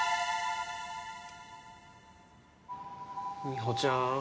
みほちゃん